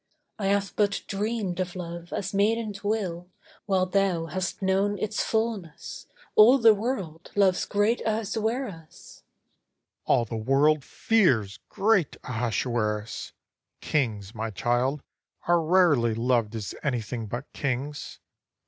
I have but dreamed of love as maidens will While thou hast known its fulness. All the world Loves Great Ahasueras! AHASUERAS All the world Fears great Ahasueras! Kings, my child, Are rarely loved as anything but kings.